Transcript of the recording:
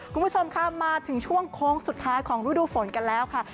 คุณผู้ชมค่ะมาถึงช่วงโค้งสุดท้ายของฤดูฝนกันแล้วค่ะ